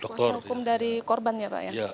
kuasa hukum dari korban ya pak ya